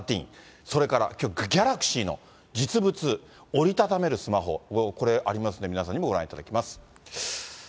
それからきょうＧａｌａｘｙの実物、折り畳めるスマホ、これ、ありますんで、皆さんにもご覧いただきます。